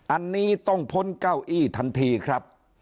อันนี้ต้องพ้นเก้าอี้ทันทีครับ